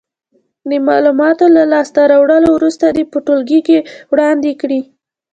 د معلوماتو له لاس ته راوړلو وروسته دې په ټولګي کې وړاندې کړې.